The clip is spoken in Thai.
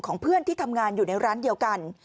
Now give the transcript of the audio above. เพื่อนที่ทำงานอยู่ในร้านเดียวกัน